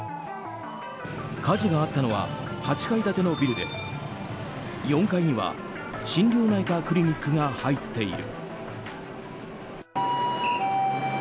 火事があったのは８階建てのビルで４階には心療内科クリニックが入っている。